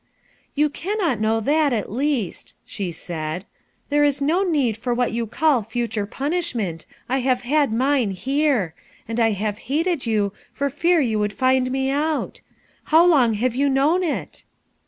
"You cannot know that, at least/' she said. "There is no need for what you call future punishment, I have had mine here; and I have hated you for fear you ivould find me out. How long have you known it?"